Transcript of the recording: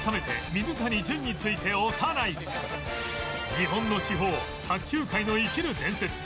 日本の至宝卓球界の生きる伝説